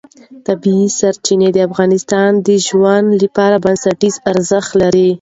طبیعي سرچینې د انسان د ژوند لپاره بنسټیز ارزښت لري